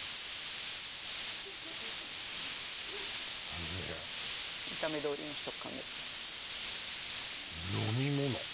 あのね見た目どおりの食感ですか？